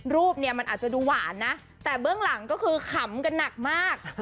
รูปเนี่ยมันอาจจะดูหวานนะแต่เบื้องหลังก็คือขำกันหนักมาก